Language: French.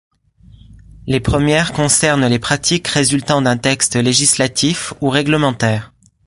Les premières concernent les pratiques résultant d'un texte législatif ou réglementaire.